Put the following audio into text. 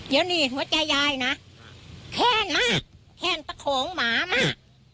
เดี๋ยวนี้หัวใจยายนะแห้นมาแห้นตะโขงหมามา